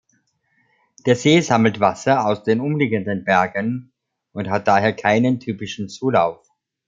Der See sammelt Wasser aus den umliegenden Bergen, und hat daher keinen typischen Zulauf.